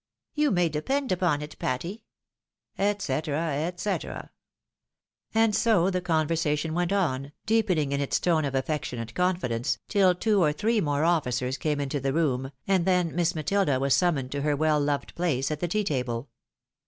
"" You may depend upon it, Patty," &c., &o. And so the conversation went on, deepening in its tone of affectionate confidence, till two or three more officers came into the room, and then Miss Matilda was summoned to her well loved place at the tea table.